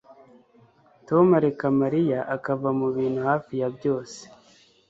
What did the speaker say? tom areka mariya akava mubintu hafi ya byose